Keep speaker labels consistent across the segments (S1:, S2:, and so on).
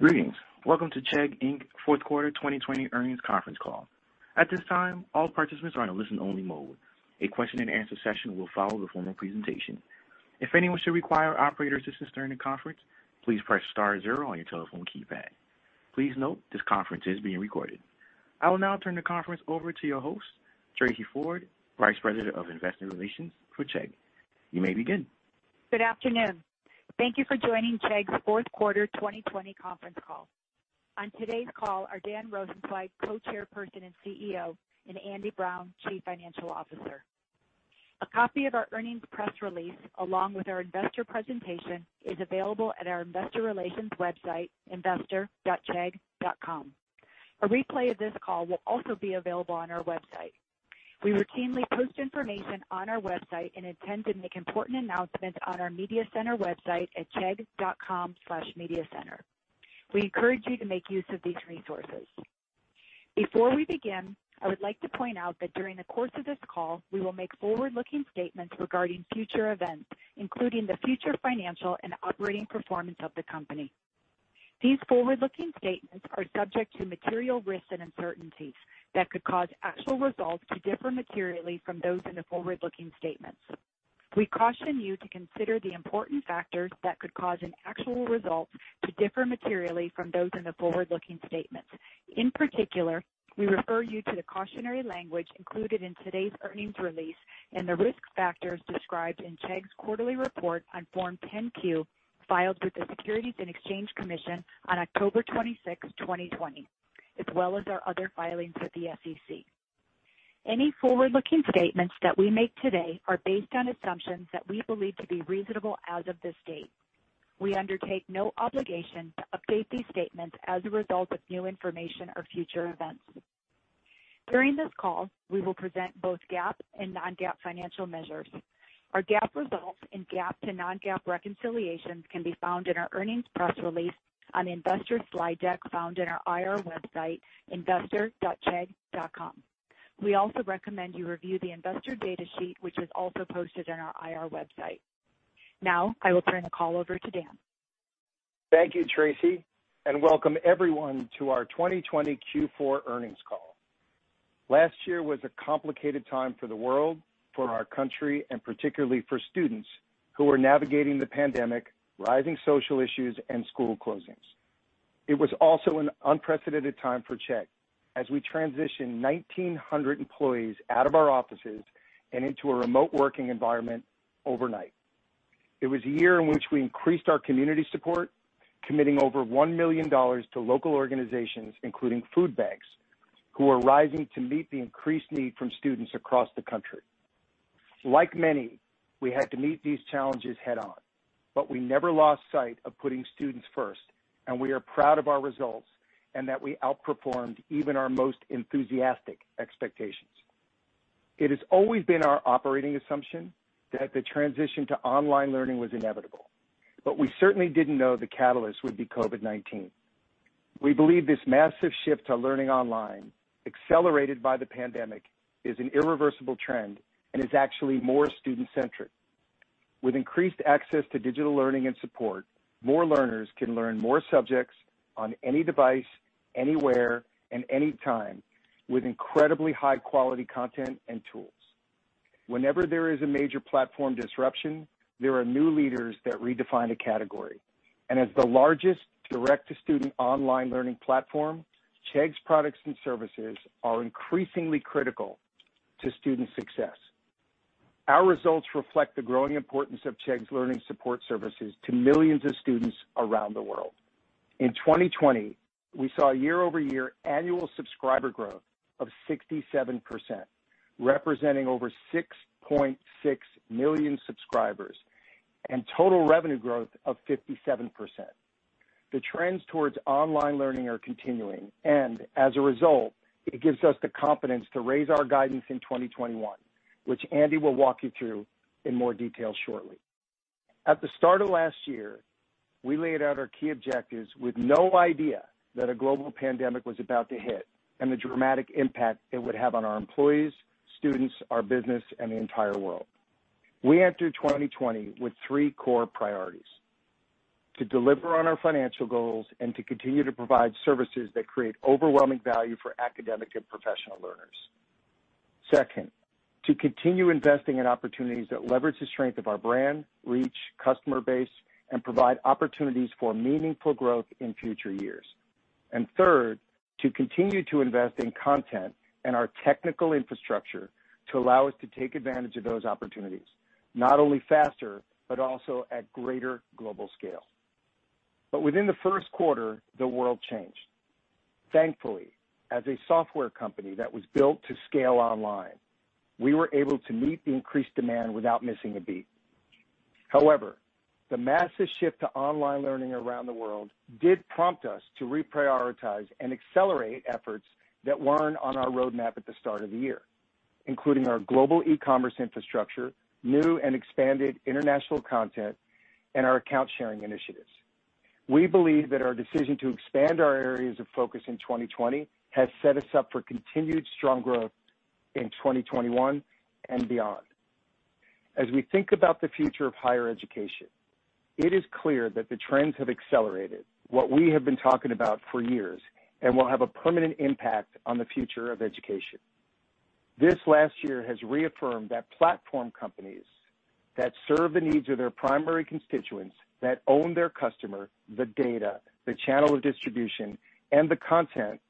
S1: Greetings. Welcome to Chegg Inc.'s Fourth Quarter 2020 Earnings Conference Call. At this time, all participants are in a listen only mode. A question and answer session will follow the formal presentation. If anyone should require operator assistance during the conference, please press star zero on your telephone keypad. Please note this conference is being recorded. I will now turn the conference over to your host, Tracey Ford, Vice President of Investor Relations for Chegg. You may begin.
S2: Good afternoon. Thank you for joining Chegg's Fourth Quarter 2020 Conference Call. On today's call are Dan Rosensweig, Co-Chairperson and CEO, and Andy Brown, Chief Financial Officer. A copy of our earnings press release, along with our investor presentation, is available at our investor relations website, investor.chegg.com. A replay of this call will also be available on our website. We routinely post information on our website and intend to make important announcements on our media center website at chegg.com/mediacenter. We encourage you to make use of these resources. Before we begin, I would like to point out that during the course of this call, we will make forward-looking statements regarding future events, including the future financial and operating performance of the company. These forward-looking statements are subject to material risks and uncertainties that could cause actual results to differ materially from those in the forward-looking statements. We caution you to consider the important factors that could cause an actual result to differ materially from those in the forward-looking statements. In particular, we refer you to the cautionary language included in today's earnings release and the risk factors described in Chegg's quarterly report on Form 10-Q filed with the Securities and Exchange Commission on October 26th, 2020, as well as our other filings with the SEC. Any forward-looking statements that we make today are based on assumptions that we believe to be reasonable as of this date. We undertake no obligation to update these statements as a result of new information or future events. During this call, we will present both GAAP and non-GAAP financial measures. Our GAAP results and GAAP to non-GAAP reconciliations can be found in our earnings press release on the investor slide deck found in our IR website, investor.chegg.com. We also recommend you review the investor data sheet, which is also posted on our IR website. Now I will turn the call over to Dan.
S3: Thank you, Tracey, and welcome everyone to our 2020 Q4 earnings call. Last year was a complicated time for the world, for our country, and particularly for students who were navigating the pandemic, rising social issues, and school closings. It was also an unprecedented time for Chegg as we transitioned 1,900 employees out of our offices and into a remote working environment overnight. It was a year in which we increased our community support, committing over $1 million to local organizations, including food banks, who are rising to meet the increased need from students across the country. Like many, we had to meet these challenges head on, but we never lost sight of putting students first, and we are proud of our results and that we outperformed even our most enthusiastic expectations. It has always been our operating assumption that the transition to online learning was inevitable, but we certainly didn't know the catalyst would be COVID-19. We believe this massive shift to learning online, accelerated by the pandemic, is an irreversible trend and is actually more student-centric. With increased access to digital learning and support, more learners can learn more subjects on any device, anywhere, and any time with incredibly high-quality content and tools. Whenever there is a major platform disruption, there are new leaders that redefine a category. As the largest direct-to-student online learning platform, Chegg's products and services are increasingly critical to student success. Our results reflect the growing importance of Chegg's learning support services to millions of students around the world. In 2020, we saw year-over-year annual subscriber growth of 67%, representing over 6.6 million subscribers and total revenue growth of 57%. The trends towards online learning are continuing, as a result, it gives us the confidence to raise our guidance in 2021, which Andy will walk you through in more detail shortly. At the start of last year, we laid out our key objectives with no idea that a global pandemic was about to hit and the dramatic impact it would have on our employees, students, our business, and the entire world. We entered 2020 with three core priorities. To deliver on our financial goals and to continue to provide services that create overwhelming value for academic and professional learners. Second, to continue investing in opportunities that leverage the strength of our brand, reach, customer base, and provide opportunities for meaningful growth in future years. Third, to continue to invest in content and our technical infrastructure to allow us to take advantage of those opportunities, not only faster but also at greater global scale. Within the first quarter, the world changed. Thankfully, as a software company that was built to scale online, we were able to meet the increased demand without missing a beat. However, the massive shift to online learning around the world did prompt us to reprioritize and accelerate efforts that weren't on our roadmap at the start of the year, including our global e-commerce infrastructure, new and expanded international content, and our account sharing initiatives. We believe that our decision to expand our areas of focus in 2020 has set us up for continued strong growth in 2021 and beyond. As we think about the future of higher education, it is clear that the trends have accelerated what we have been talking about for years and will have a permanent impact on the future of education. This last year has reaffirmed that platform companies that serve the needs of their primary constituents, that own their customer, the data, the channel of distribution, and the content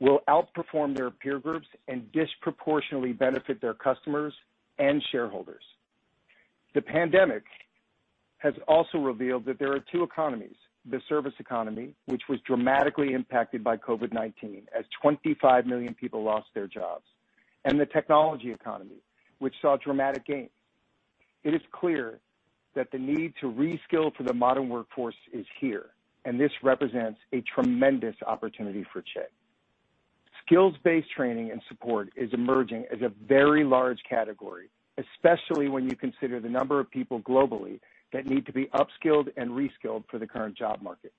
S3: will outperform their peer groups and disproportionately benefit their customers and shareholders. The pandemic has also revealed that there are two economies, the service economy, which was dramatically impacted by COVID-19 as 25 million people lost their jobs, and the technology economy, which saw dramatic gains. It is clear that the need to reskill for the modern workforce is here, and this represents a tremendous opportunity for Chegg. Skills-based training and support is emerging as a very large category, especially when you consider the number of people globally that need to be upskilled and reskilled for the current job market.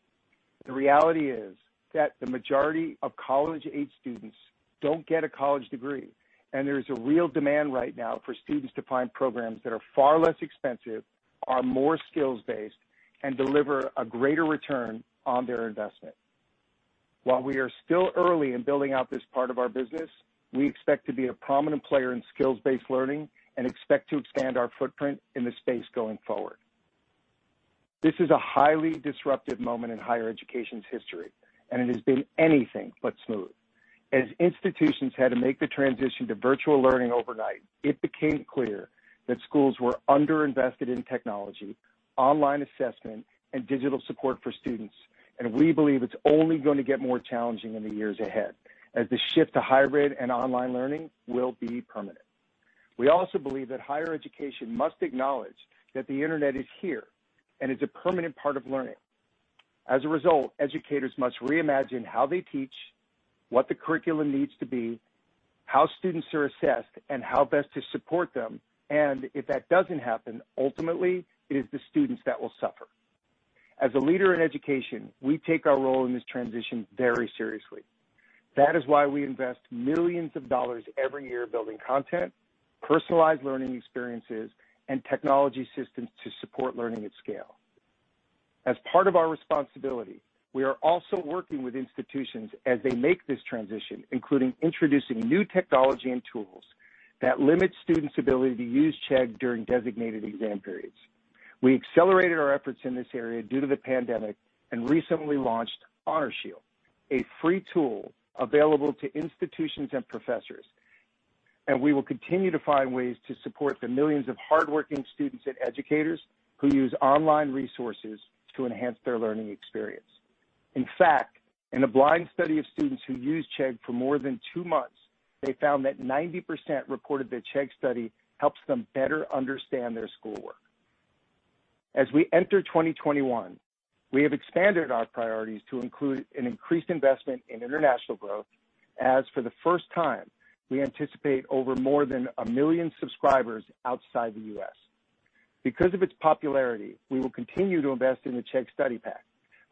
S3: The reality is that the majority of college-age students don't get a college degree, and there's a real demand right now for students to find programs that are far less expensive, are more skills-based, and deliver a greater return on their investment. While we are still early in building out this part of our business, we expect to be a prominent player in skills-based learning and expect to expand our footprint in this space going forward. This is a highly disruptive moment in higher education's history, and it has been anything but smooth. As institutions had to make the transition to virtual learning overnight, it became clear that schools were under-invested in technology, online assessment, and digital support for students. We believe it's only going to get more challenging in the years ahead as the shift to hybrid and online learning will be permanent. We also believe that higher education must acknowledge that the internet is here and is a permanent part of learning. As a result, educators must reimagine how they teach, what the curriculum needs to be, how students are assessed, and how best to support them. If that doesn't happen, ultimately it is the students that will suffer. As a leader in education, we take our role in this transition very seriously. That is why we invest millions of dollars every year building content, personalized learning experiences, and technology systems to support learning at scale. As part of our responsibility, we are also working with institutions as they make this transition, including introducing new technology and tools that limit students' ability to use Chegg during designated exam periods. We accelerated our efforts in this area due to the pandemic and recently launched HonorShield, a free tool available to institutions and professors. We will continue to find ways to support the millions of hardworking students and educators who use online resources to enhance their learning experience. In fact, in a blind study of students who used Chegg for more than two months, they found that 90% reported that Chegg Study helps them better understand their schoolwork. As we enter 2021, we have expanded our priorities to include an increased investment in international growth as for the first time, we anticipate over more than 1 million subscribers outside the U.S. Because of its popularity, we will continue to invest in the Chegg Study Pack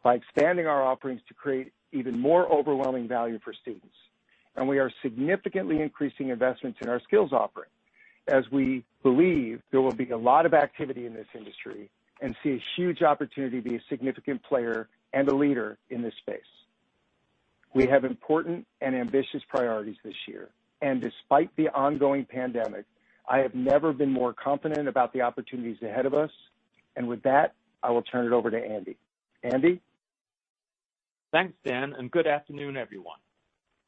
S3: by expanding our offerings to create even more overwhelming value for students. We are significantly increasing investments in our skills offering as we believe there will be a lot of activity in this industry and see a huge opportunity to be a significant player and a leader in this space. We have important and ambitious priorities this year, and despite the ongoing pandemic, I have never been more confident about the opportunities ahead of us. With that, I will turn it over to Andy. Andy?
S4: Thanks, Dan, good afternoon, everyone.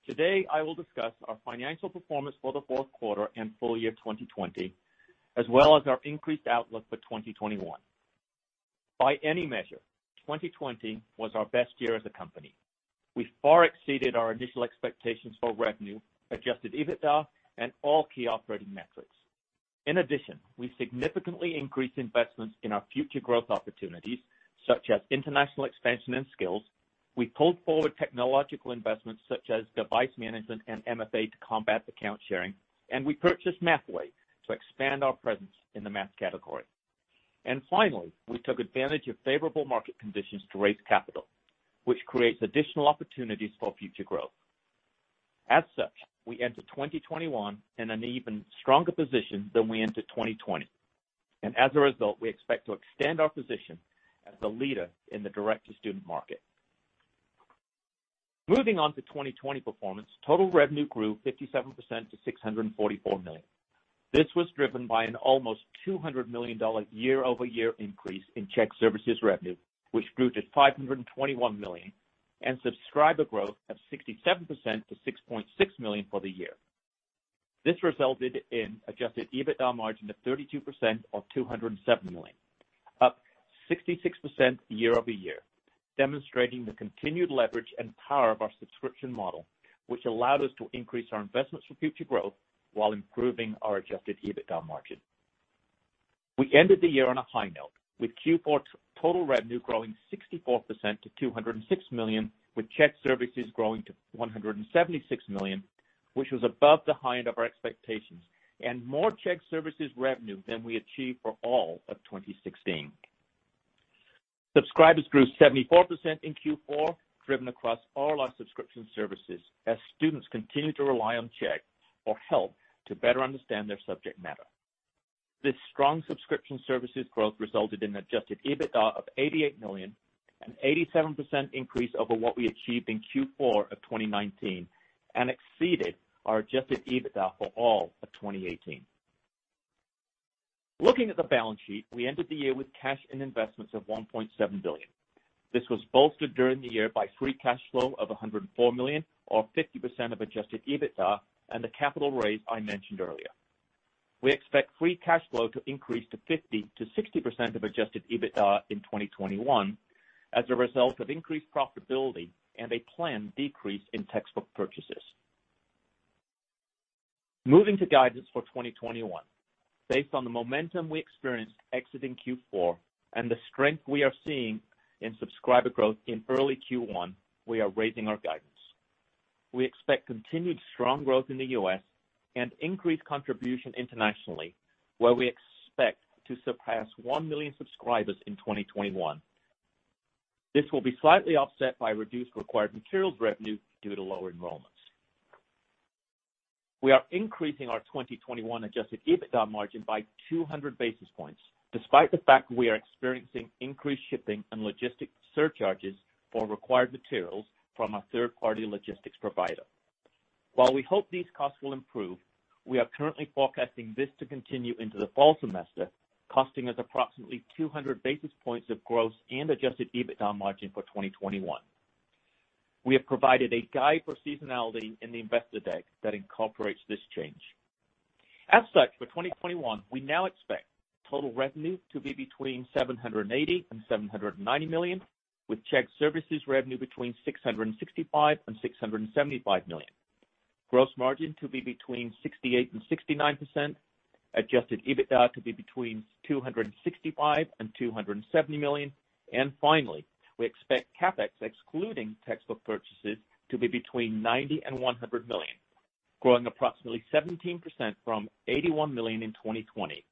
S4: Today, I will discuss our financial performance for the fourth quarter and full year 2020, as well as our increased outlook for 2021. By any measure, 2020 was our best year as a company. We far exceeded our initial expectations for revenue, adjusted EBITDA, and all key operating metrics. In addition, we significantly increased investments in our future growth opportunities, such as international expansion and skills. We pulled forward technological investments such as device management and MFA to combat account sharing, and we purchased Mathway to expand our presence in the math category. Finally, we took advantage of favorable market conditions to raise capital, which creates additional opportunities for future growth. As such, we enter 2021 in an even stronger position than we entered 2020. As a result, we expect to extend our position as the leader in the direct-to-student market. Moving on to 2020 performance, total revenue grew 57% to $644 million. This was driven by an almost $200 million year-over-year increase in Chegg Services revenue, which grew to $521 million and subscriber growth of 67% to $6.6 million for the year. This resulted in adjusted EBITDA margin of 32% or $207 million, up 66% year-over-year, demonstrating the continued leverage and power of our subscription model, which allowed us to increase our investments for future growth while improving our adjusted EBITDA margin. We ended the year on a high note with Q4 total revenue growing 64% to $206 million, with Chegg Services growing to $176 million, which was above the high end of our expectations and more Chegg Services revenue than we achieved for all of 2016. Subscribers grew 74% in Q4, driven across all our subscription services as students continue to rely on Chegg for help to better understand their subject matter. This strong subscription services growth resulted in adjusted EBITDA of $88 million, an 87% increase over what we achieved in Q4 of 2019 and exceeded our adjusted EBITDA for all of 2018. Looking at the balance sheet, we ended the year with cash and investments of $1.7 billion. This was bolstered during the year by free cash flow of $104 million, or 50% of adjusted EBITDA, and the capital raise I mentioned earlier. We expect free cash flow to increase to 50%-60% of adjusted EBITDA in 2021 as a result of increased profitability and a planned decrease in textbook purchases. Moving to guidance for 2021. Based on the momentum we experienced exiting Q4 and the strength we are seeing in subscriber growth in early Q1, we are raising our guidance. We expect continued strong growth in the U.S. and increased contribution internationally, where we expect to surpass 1 million subscribers in 2021. This will be slightly offset by reduced required materials revenue due to lower enrollments. We are increasing our 2021 adjusted EBITDA margin by 200 basis points, despite the fact we are experiencing increased shipping and logistics surcharges for required materials from our third-party logistics provider. While we hope these costs will improve, we are currently forecasting this to continue into the fall semester, costing us approximately 200 basis points of gross and adjusted EBITDA margin for 2021. We have provided a guide for seasonality in the investor deck that incorporates this change. For 2021, we now expect total revenue to be between $780 million and $790 million, with Chegg Services revenue between $665 million and $675 million. Gross margin to be between 68% and 69%, adjusted EBITDA to be between $265 million and $270 million, and finally, we expect CapEx, excluding textbook purchases, to be between $90 million and $100 million, growing approximately 17% from $81 million in 2020,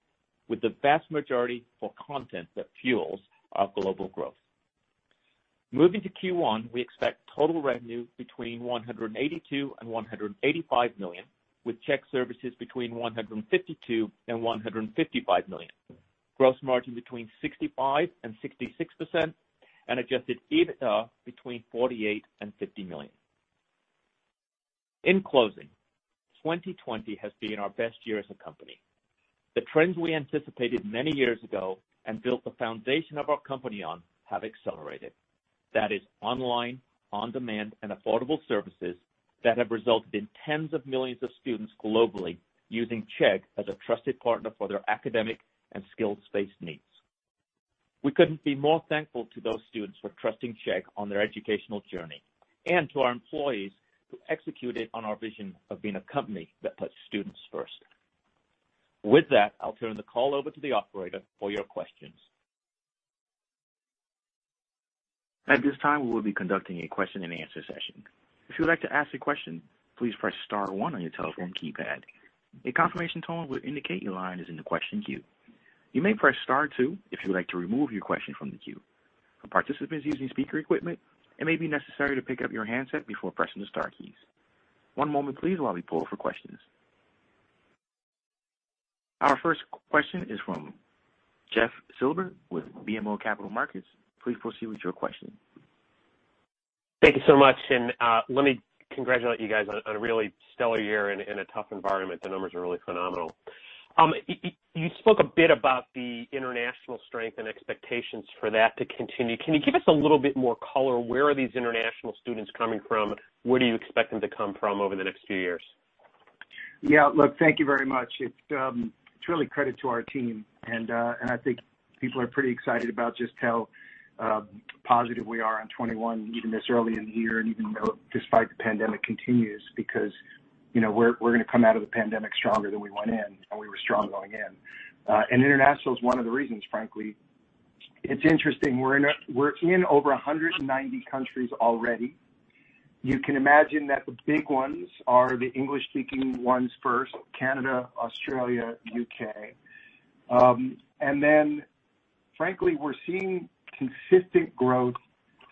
S4: with the vast majority for content that fuels our global growth. Moving to Q1, we expect total revenue between $182 million and $185 million, with Chegg Services between $152 million and $155 million. Gross margin between 65% and 66%, and adjusted EBITDA between $48 million and $50 million. In closing, 2020 has been our best year as a company. The trends we anticipated many years ago and built the foundation of our company on have accelerated. That is online, on-demand, and affordable services that have resulted in tens of millions of students globally using Chegg as a trusted partner for their academic and skills-based needs. We couldn't be more thankful to those students for trusting Chegg on their educational journey and to our employees who executed on our vision of being a company that puts students first. With that, I'll turn the call over to the operator for your questions.
S1: At this time, we will be conducting a question and answer session. If you'd like to ask a question, please press star one on your telephone keypad, a confirmation tone will indicate your line is in the question queue. You may press star two if you would like to remove your question in the queue. For participants using speaker equipment, it may be necessary to pick up your handset before pressing the star keys. One moment please, while we pull for questions. Our first question is from Jeff Silber with BMO Capital Markets. Please proceed with your question.
S5: Thank you so much. Let me congratulate you guys on a really stellar year in a tough environment. The numbers are really phenomenal. You spoke a bit about the international strength and expectations for that to continue. Can you give us a little bit more color? Where are these international students coming from? Where do you expect them to come from over the next few years?
S3: Look, thank you very much. It's really credit to our team, and I think people are pretty excited about just how positive we are on 2021, even this early in the year, and even though despite the pandemic continues, because we're going to come out of the pandemic stronger than we went in, and we were strong going in. International is one of the reasons, frankly. It's interesting. We're in over 190 countries already. You can imagine that the big ones are the English-speaking ones first, Canada, Australia, U.K. Frankly, we're seeing consistent growth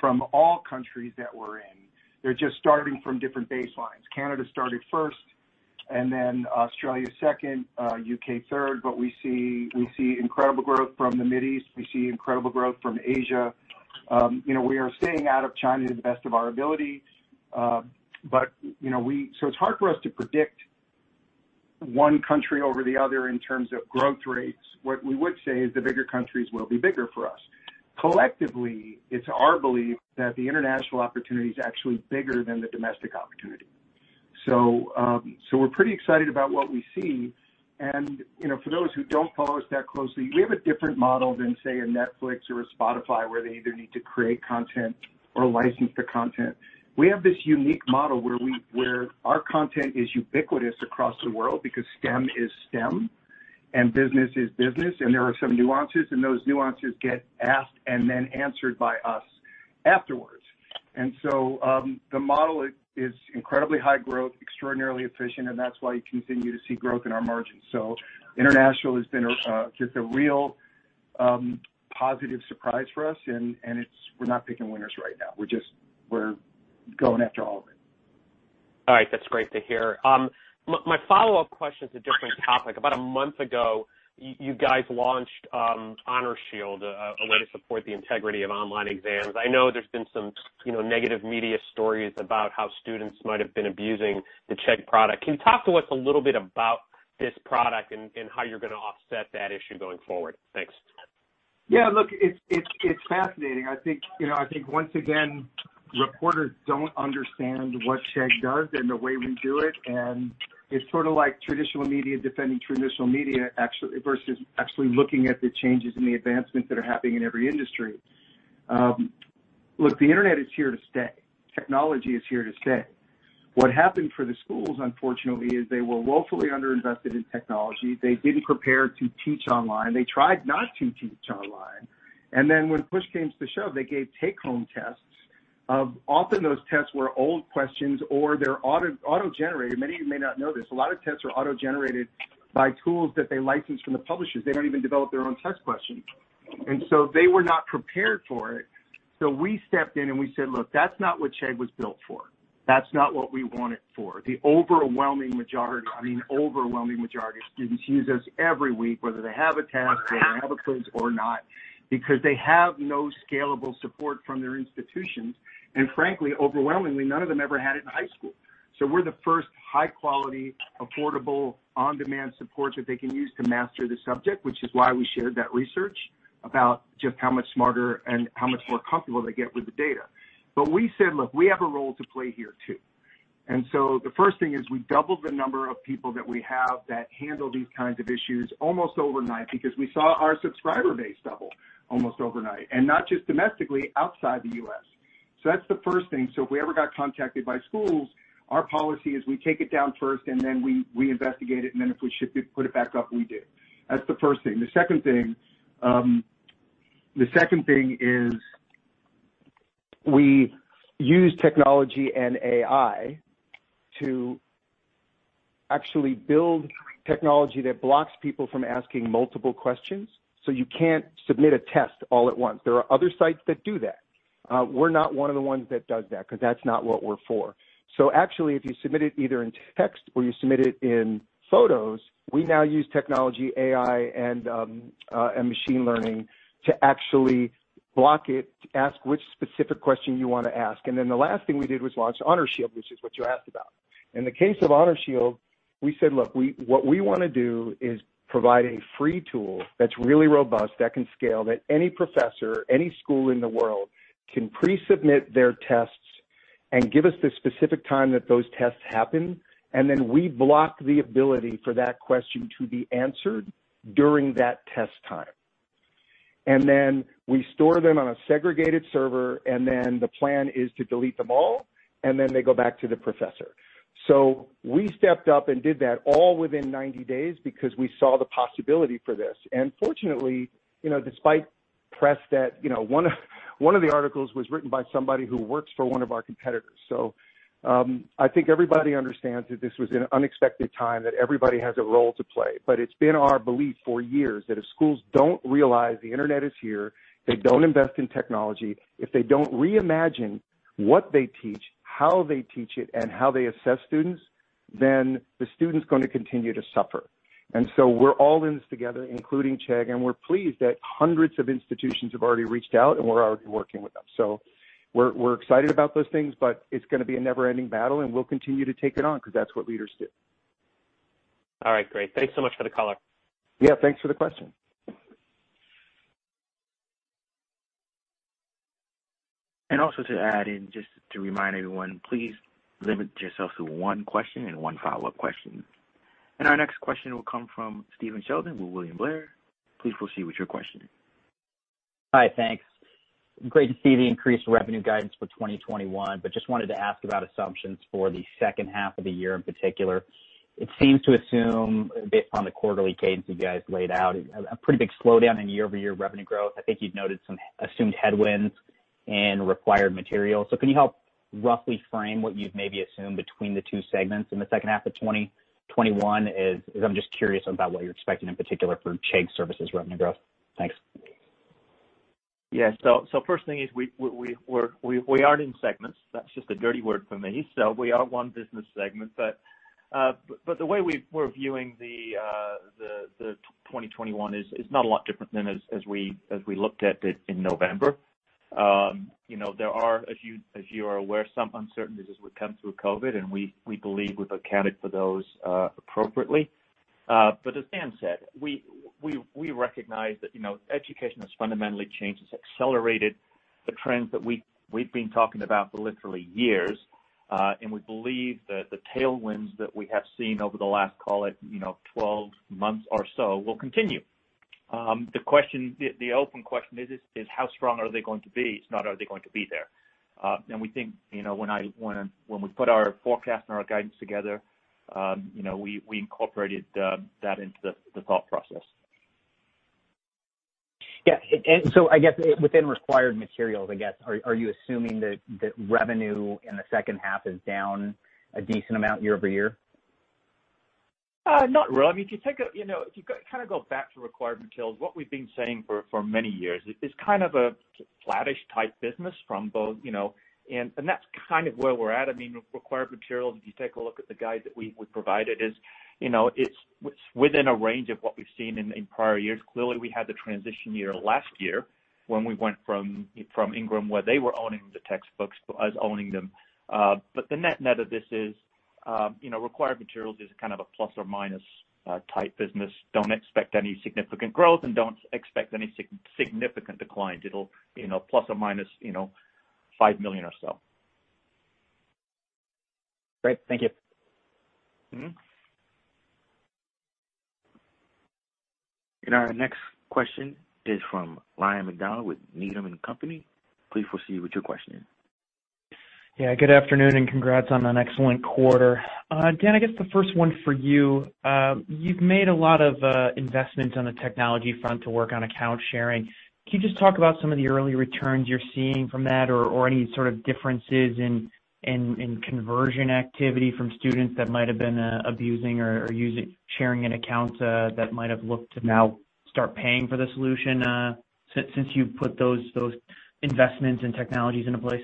S3: from all countries that we're in. They're just starting from different baselines. Canada started first, Australia second, U.K. third. We see incredible growth from the Mideast. We see incredible growth from Asia. We are staying out of China to the best of our ability. It's hard for us to predict one country over the other in terms of growth rates. What we would say is the bigger countries will be bigger for us. Collectively, it's our belief that the international opportunity is actually bigger than the domestic opportunity. We're pretty excited about what we see. For those who don't follow us that closely, we have a different model than, say, a Netflix or a Spotify, where they either need to create content or license the content. We have this unique model where our content is ubiquitous across the world because STEM is STEM and business is business, and there are some nuances, and those nuances get asked and then answered by us afterwards. The model is incredibly high growth, extraordinarily efficient, and that's why you continue to see growth in our margins. International has been just a real positive surprise for us, and we're not picking winners right now. We're going after all of it.
S5: All right. That's great to hear. My follow-up question is a different topic. About a month ago, you guys launched HonorShield, a way to support the integrity of online exams. I know there's been some negative media stories about how students might have been abusing the Chegg product. Can you talk to us a little bit about this product and how you're going to offset that issue going forward? Thanks.
S3: Yeah, look, it's fascinating. I think, once again, reporters don't understand what Chegg does and the way we do it, and it's sort of like traditional media defending traditional media versus actually looking at the changes and the advancements that are happening in every industry. Look, the internet is here to stay. Technology is here to stay. What happened for the schools, unfortunately, is they were woefully under-invested in technology. They didn't prepare to teach online. They tried not to teach online. When push came to shove, they gave take-home tests. Often those tests were old questions or they're auto-generated. Many of you may not know this. A lot of tests are auto-generated by tools that they license from the publishers. They don't even develop their own test questions. They were not prepared for it. We stepped in and we said, "Look, that's not what Chegg was built for. That's not what we want it for." The overwhelming majority, I mean overwhelming majority of students use us every week, whether they have a test or they have a quiz or not, because they have no scalable support from their institutions. Frankly, overwhelmingly, none of them ever had it in high school. We're the first high-quality, affordable, on-demand support that they can use to master the subject, which is why we shared that research about just how much smarter and how much more comfortable they get with the data. We said, "Look, we have a role to play here, too." The first thing is we doubled the number of people that we have that handle these kinds of issues almost overnight because we saw our subscriber base double almost overnight, and not just domestically, outside the U.S. That's the first thing. If we ever got contacted by schools, our policy is we take it down first and then we investigate it, and then if we should put it back up, we do. That's the first thing. The second thing is we use technology and AI to actually build technology that blocks people from asking multiple questions. You can't submit a test all at once. There are other sites that do that. We're not one of the ones that does that because that's not what we're for. Actually, if you submit it either in text or you submit it in photos, we now use technology, AI, and machine learning to actually block it, to ask which specific question you want to ask. The last thing we did was launch HonorShield, which is what you asked about. In the case of HonorShield, we said, Look, what we want to do is provide a free tool that's really robust, that can scale, that any professor, any school in the world can pre-submit their tests and give us the specific time that those tests happen, and then we block the ability for that question to be answered during that test time. We store them on a segregated server, and then the plan is to delete them all, and then they go back to the professor. We stepped up and did that all within 90 days because we saw the possibility for this. Fortunately, despite press that, one of the articles was written by somebody who works for one of our competitors. I think everybody understands that this was an unexpected time, that everybody has a role to play. It's been our belief for years that if schools don't realize the internet is here, they don't invest in technology, if they don't reimagine what they teach, how they teach it, and how they assess students, then the student's going to continue to suffer. We're all in this together, including Chegg, and we're pleased that hundreds of institutions have already reached out and we're already working with them. We're excited about those things, but it's going to be a never-ending battle and we'll continue to take it on because that's what leaders do.
S5: All right, great. Thanks so much for the color.
S3: Yeah, thanks for the question.
S1: Also to add in, just to remind everyone, please limit yourself to one question and one follow-up question. Our next question will come from Stephen Sheldon with William Blair. Please proceed with your question.
S6: Hi, thanks. Great to see the increased revenue guidance for 2021. Just wanted to ask about assumptions for the second half of the year in particular. It seems to assume, based on the quarterly cadence you guys laid out, a pretty big slowdown in year-over-year revenue growth. I think you'd noted some assumed headwinds in required material. Can you help roughly frame what you've maybe assumed between the two segments in the second half of 2021? As I'm just curious about what you're expecting in particular for Chegg Services revenue growth. Thanks.
S4: Yeah. First thing is we aren't in segments. That's just a dirty word for me. We are one business segment. The way we're viewing the 2021 is not a lot different than as we looked at it in November. There are, as you are aware, some uncertainties as we come through COVID-19, and we believe we've accounted for those appropriately. As Dan said, we recognize that education has fundamentally changed. It's accelerated the trends that we've been talking about for literally years. We believe that the tailwinds that we have seen over the last, call it, 12 months or so will continue. The open question is how strong are they going to be? It's not are they going to be there. We think when we put our forecast and our guidance together, we incorporated that into the thought process.
S6: Yeah. I guess within required materials, I guess, are you assuming that revenue in the second half is down a decent amount year-over-year?
S4: Not really. If you kind of go back to required materials, what we've been saying for many years, it is kind of a flattish type business from both. That's kind of where we're at. Required materials, if you take a look at the guide that we provided, it's within a range of what we've seen in prior years. Clearly, we had the transition year last year when we went from Ingram, where they were owning the textbooks, to us owning them. The net of this is required materials is kind of a plus or minus type business. Don't expect any significant growth and don't expect any significant decline. It'll ±$5 million or so.
S6: Great. Thank you.
S1: Our next question is from Ryan MacDonald with Needham & Company. Please proceed with your question.
S7: Yeah. Good afternoon, and congrats on an excellent quarter. Dan, I guess the first one for you. You've made a lot of investments on the technology front to work on account sharing. Can you just talk about some of the early returns you're seeing from that or any sort of differences in conversion activity from students that might have been abusing or sharing an account that might have looked to now start paying for the solution since you've put those investments and technologies into place?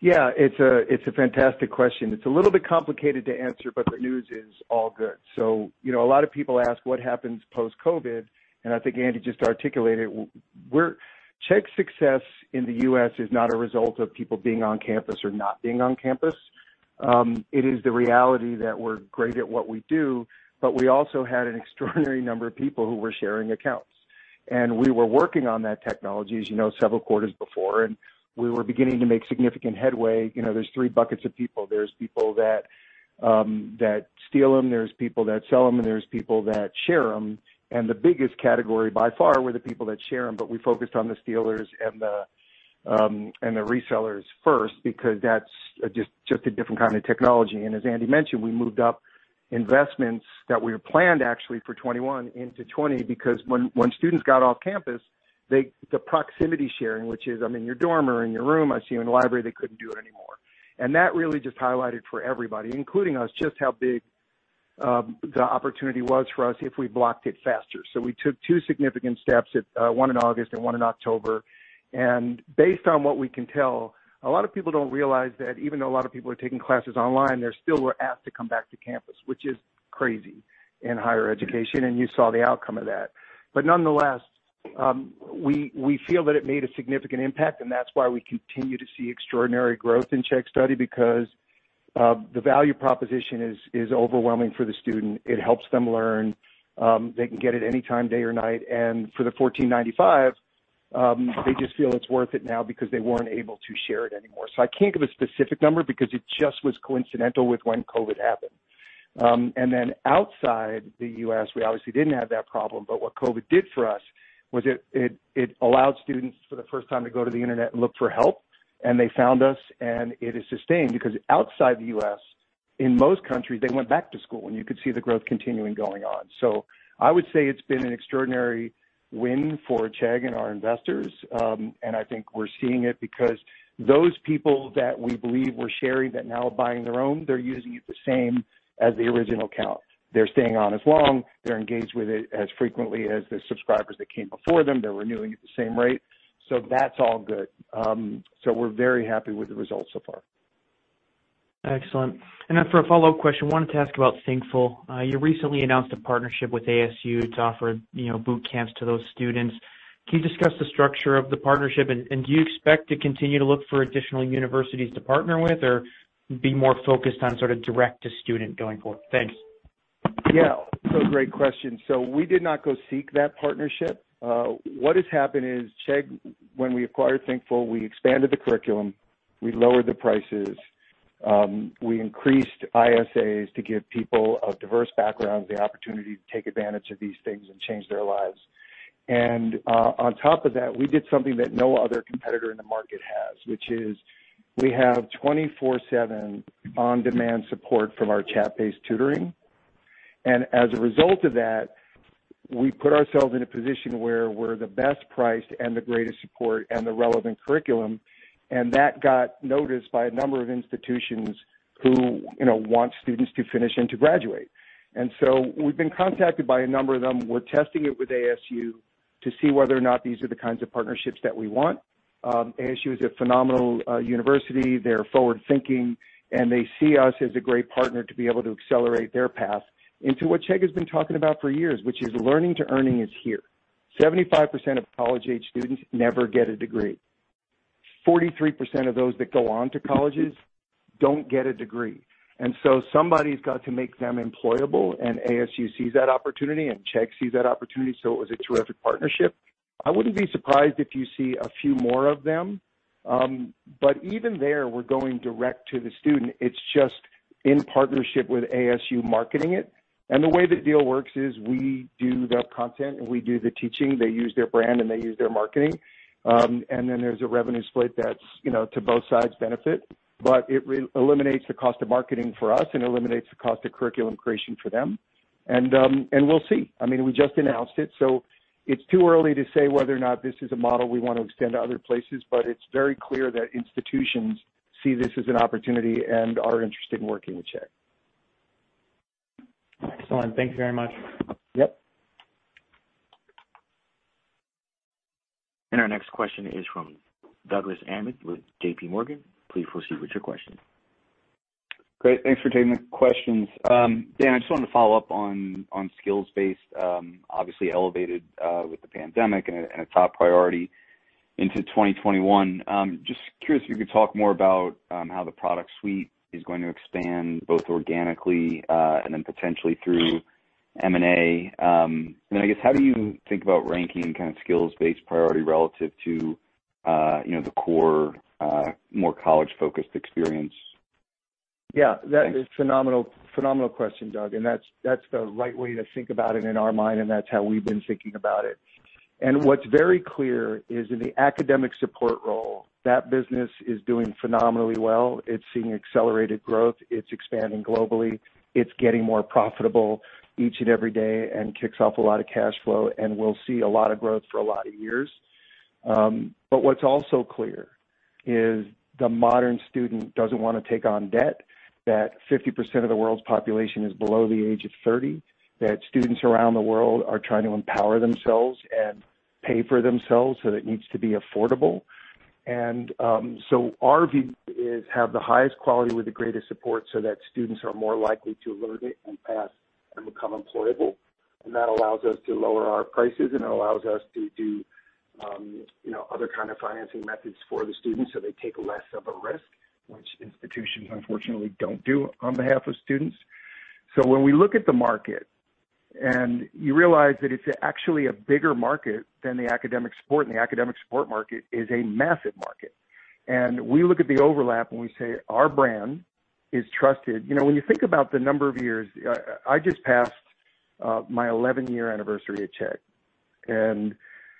S3: Yeah. It's a fantastic question. It's a little bit complicated to answer, but the news is all good. A lot of people ask what happens post-COVID, and I think Andy just articulated. Chegg's success in the U.S. is not a result of people being on campus or not being on campus. It is the reality that we're great at what we do, but we also had an extraordinary number of people who were sharing accounts. We were working on that technology, as you know, several quarters before, and we were beginning to make significant headway. There's three buckets of people. There's people that steal them, there's people that sell them, and there's people that share them. The biggest category by far were the people that share them. We focused on the stealers and the resellers first because that's just a different kind of technology. As Andy mentioned, we moved up investments that we had planned actually for 2021 into 2020 because when students got off campus, the proximity sharing, which is I'm in your dorm or in your room, I see you in the library, they couldn't do it anymore. That really just highlighted for everybody, including us, just how big the opportunity was for us if we blocked it faster. We took two significant steps, one in August and one in October. Based on what we can tell, a lot of people don't realize that even though a lot of people are taking classes online, they still were asked to come back to campus, which is crazy in higher education, and you saw the outcome of that. Nonetheless, we feel that it made a significant impact, and that's why we continue to see extraordinary growth in Chegg Study because the value proposition is overwhelming for the student. It helps them learn. They can get it anytime, day or night. For the $14.95, they just feel it's worth it now because they weren't able to share it anymore. I can't give a specific number because it just was coincidental with when COVID happened. Outside the U.S., we obviously didn't have that problem, but what COVID did for us was it allowed students for the first time to go to the internet and look for help, and they found us, and it has sustained because outside the U.S., in most countries, they went back to school, and you could see the growth continuing going on. I would say it's been an extraordinary win for Chegg and our investors. I think we're seeing it because those people that we believe were sharing that now are buying their own, they're using it the same as the original account. They're staying on as long, they're engaged with it as frequently as the subscribers that came before them. They're renewing at the same rate. That's all good. We're very happy with the results so far.
S7: Excellent. For a follow-up question, wanted to ask about Thinkful. You recently announced a partnership with ASU to offer boot camps to those students. Can you discuss the structure of the partnership, and do you expect to continue to look for additional universities to partner with or be more focused on sort of direct to student going forward? Thanks.
S3: Yeah. Great question. We did not go seek that partnership. What has happened is Chegg, when we acquired Thinkful, we expanded the curriculum, we lowered the prices, we increased ISAs to give people of diverse backgrounds the opportunity to take advantage of these things and change their lives. On top of that, we did something that no other competitor in the market has, which is we have 24/7 on-demand support from our chat-based tutoring. As a result of that, we put ourselves in a position where we're the best priced and the greatest support and the relevant curriculum, and that got noticed by a number of institutions who want students to finish and to graduate. We've been contacted by a number of them. We're testing it with ASU to see whether or not these are the kinds of partnerships that we want. ASU is a phenomenal university. They're forward-thinking, and they see us as a great partner to be able to accelerate their path into what Chegg has been talking about for years, which is learning to earning is here. 75% of college-age students never get a degree. 43% of those that go on to colleges don't get a degree. Somebody's got to make them employable, and ASU sees that opportunity, and Chegg sees that opportunity, so it was a terrific partnership. I wouldn't be surprised if you see a few more of them. Even there, we're going direct to the student. It's just in partnership with ASU marketing it. The way the deal works is we do the content and we do the teaching. They use their brand and they use their marketing. There's a revenue split that's to both sides' benefit. It eliminates the cost of marketing for us and eliminates the cost of curriculum creation for them. We'll see. We just announced it, so it's too early to say whether or not this is a model we want to extend to other places, but it's very clear that institutions see this as an opportunity and are interested in working with Chegg.
S7: Excellent. Thank you very much.
S3: Yep.
S1: Our next question is from Douglas Anmuth with J.P. Morgan. Please proceed with your question.
S8: Great. Thanks for taking the questions. Dan, I just wanted to follow up on skills-based, obviously elevated with the pandemic and a top priority into 2021. Just curious if you could talk more about how the product suite is going to expand, both organically and then potentially through M&A. I guess, how do you think about ranking kind of skills-based priority relative to the core, more college-focused experience?
S3: Yeah, that is a phenomenal question, Doug, that's the right way to think about it in our mind, that's how we've been thinking about it. What's very clear is in the academic support role, that business is doing phenomenally well. It's seeing accelerated growth. It's expanding globally. It's getting more profitable each and every day kicks off a lot of cash flow, will see a lot of growth for a lot of years. What's also clear is the modern student doesn't want to take on debt. 50% of the world's population is below the age of 30. Students around the world are trying to empower themselves and pay for themselves, it needs to be affordable. Our view is have the highest quality with the greatest support so that students are more likely to learn it and pass and become employable. That allows us to lower our prices, and it allows us to do other kind of financing methods for the students so they take less of a risk, which institutions, unfortunately, don't do on behalf of students. When we look at the market, and you realize that it's actually a bigger market than the academic support, and the academic support market is a massive market. We look at the overlap, and we say our brand is trusted. When you think about the number of years, I just passed my 11-year anniversary at Chegg, and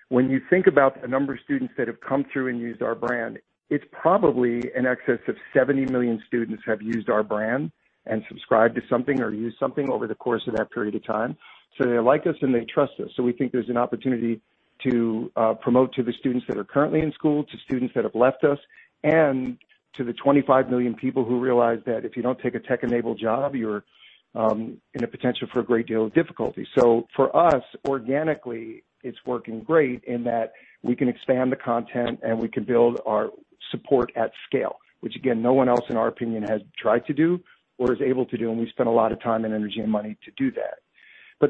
S3: when you think about the number of students that have come through and used our brand, it's probably in excess of 70 million students have used our brand and subscribed to something or used something over the course of that period of time. They like us, and they trust us. We think there's an opportunity to promote to the students that are currently in school, to students that have left us, and to the 25 million people who realize that if you don't take a tech-enabled job, you're in a potential for a great deal of difficulty. For us, organically, it's working great in that we can expand the content, and we can build our support at scale, which again, no one else, in our opinion, has tried to do or is able to do, and we've spent a lot of time and energy and money to do that.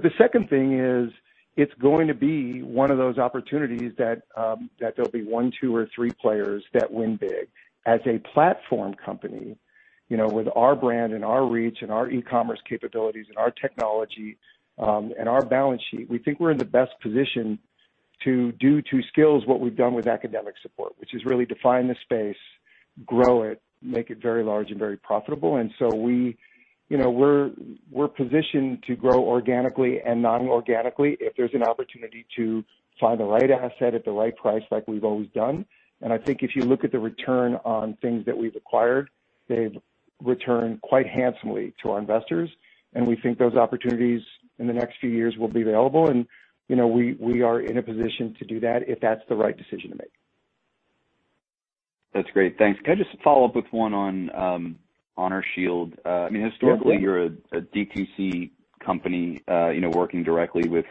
S3: The second thing is, it's going to be one of those opportunities that there'll be one, two, or three players that win big. As a platform company, with our brand and our reach and our e-commerce capabilities and our technology, and our balance sheet, we think we're in the best position to do to skills what we've done with academic support, which is really define the space, grow it, make it very large and very profitable. We're positioned to grow organically and non-organically if there's an opportunity to find the right asset at the right price like we've always done. I think if you look at the return on things that we've acquired, they've returned quite handsomely to our investors, and we think those opportunities in the next few years will be available, and we are in a position to do that if that's the right decision to make.
S8: That's great. Thanks. Can I just follow up with one on HonorShield?
S3: Yeah, please.
S8: Historically, you're a DTC company working directly with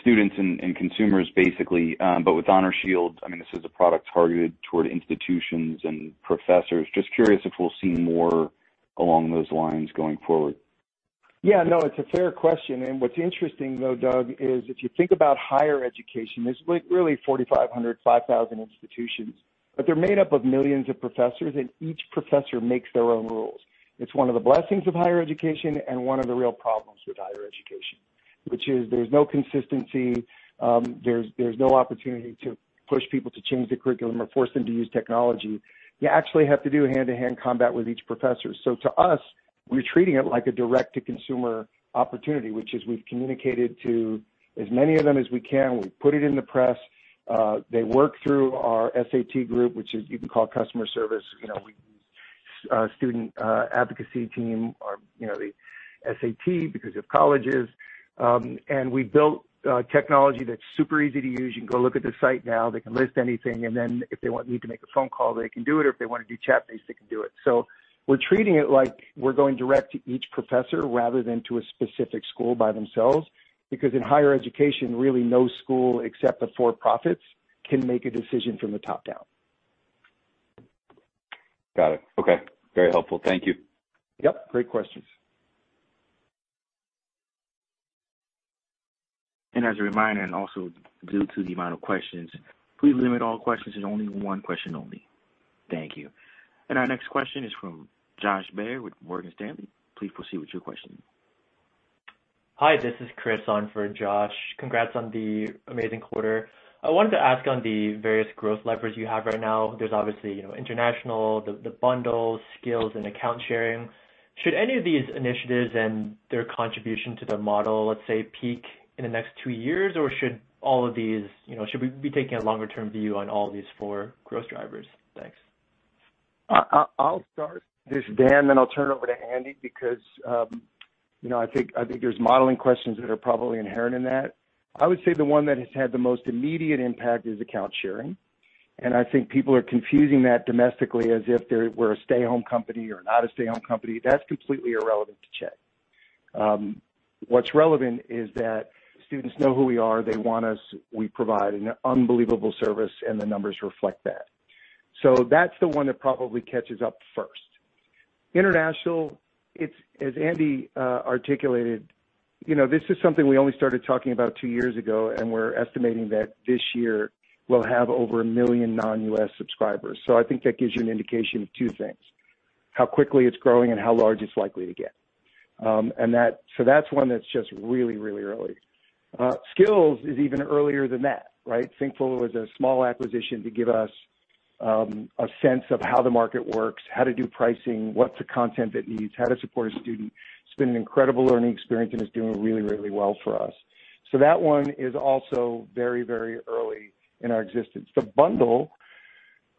S8: students and consumers, basically. With HonorShield, this is a product targeted toward institutions and professors. Just curious if we'll see more along those lines going forward.
S3: Yeah, no, it's a fair question. What's interesting, though, Doug, is if you think about higher education, there's really 4,500, 5,000 institutions. They're made up of millions of professors, and each professor makes their own rules. It's one of the blessings of higher education and one of the real problems with higher education, which is there's no consistency. There's no opportunity to push people to change the curriculum or force them to use technology. You actually have to do hand-to-hand combat with each professor. To us, we're treating it like a direct-to-consumer opportunity, which is we've communicated to as many of them as we can. We've put it in the press. They work through our SAT group, which you can call customer service. We use Student Advocacy Team or the SAT because of colleges. We built technology that's super easy to use. You can go look at the site now. They can list anything, and then if they want me to make a phone call, they can do it. If they want to do chat-based, they can do it. We're treating it like we're going direct to each professor rather than to a specific school by themselves, because in higher education, really, no school except the for-profits can make a decision from the top down.
S8: Got it. Okay. Very helpful. Thank you.
S3: Yep. Great questions.
S1: As a reminder, and also due to the amount of questions, please limit all questions to only one question only. Thank you. Our next question is from Josh Baer with Morgan Stanley. Please proceed with your question.
S9: Hi, this is Chris on for Josh. Congrats on the amazing quarter. I wanted to ask on the various growth levers you have right now. There's obviously international, the bundles, skills, and account sharing. Should any of these initiatives and their contribution to the model, let's say, peak in the next two years, or should we be taking a longer-term view on all these four growth drivers? Thanks.
S3: I'll start this, Chris, then I'll turn it over to Andy because I think there's modeling questions that are probably inherent in that. I would say the one that has had the most immediate impact is account sharing, and I think people are confusing that domestically as if they were a stay-home company or not a stay-home company. That's completely irrelevant to Chegg. What's relevant is that students know who we are. They want us. We provide an unbelievable service, and the numbers reflect that. That's the one that probably catches up first. International, as Andy articulated, this is something we only started talking about two years ago, and we're estimating that this year we'll have over a million non-U.S. subscribers. I think that gives you an indication of two things, how quickly it's growing and how large it's likely to get. That's one that's just really early. Skills is even earlier than that, right? Thinkful was a small acquisition to give us a sense of how the market works, how to do pricing, what's the content it needs, how to support a student. It's been an incredible learning experience, and it's doing really well for us. That one is also very early in our existence. The bundle,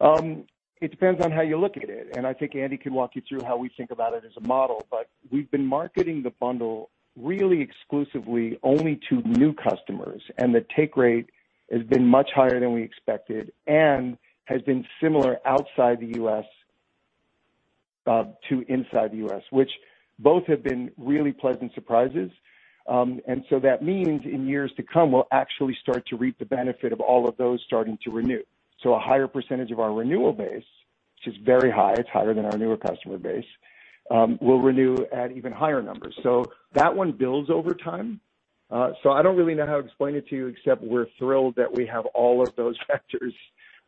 S3: it depends on how you look at it, and I think Andy can walk you through how we think about it as a model. We've been marketing the bundle really exclusively only to new customers, and the take rate has been much higher than we expected and has been similar outside the U.S. to inside the U.S., which both have been really pleasant surprises. That means in years to come, we'll actually start to reap the benefit of all of those starting to renew. A higher percentage of our renewal base, which is very high, it's higher than our newer customer base, will renew at even higher numbers. That one builds over time. I don't really know how to explain it to you except we're thrilled that we have all of those factors